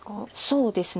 そうですね。